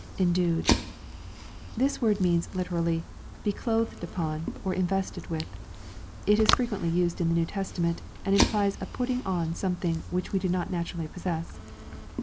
[Endtied.] This word means literally, "Be clothed upon, or invested with," It is frequently used in the New Testament, and implies a putting on something which we do not naturally possess.